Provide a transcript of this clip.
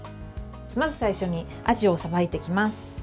まず最初にあじをさばいていきます。